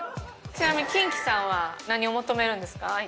ちなみにキンキさんは何を求めるんですか？